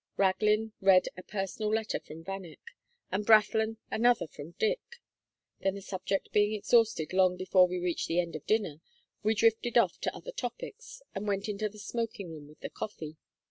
Raglin read a personal letter from Vanneck, and Brathland another from Dick. Then, the subject being exhausted long before we reached the end of dinner, we drifted off to other topics; and went into the smoking room with the coffee.